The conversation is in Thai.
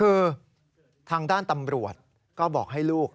คือทางด้านตำรวจก็บอกให้ลูก